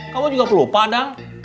kamu juga pelupa dang